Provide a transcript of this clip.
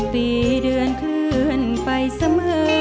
ปีเดือนเคลื่อนไปเสมอ